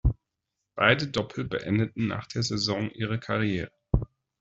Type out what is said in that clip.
Beide Doppel beendeten nach der Saison ihre Karriere.